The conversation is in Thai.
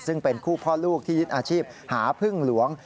ซึ่งเป็นคู่พ่อลูกที่ยึดอาชีพหาพึ่งหลวง